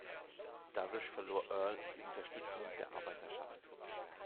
Dadurch verlor Earl die Unterstützung der Arbeiterschaft.